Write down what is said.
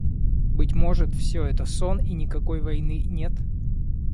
«Быть может, все это сон и никакой войны нет?